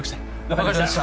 わかりました。